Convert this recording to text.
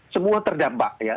semua terdampak ya